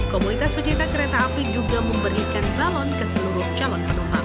komunitas pecinta kereta api juga memberikan balon ke seluruh calon penumpang